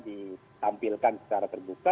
ditampilkan secara terbuka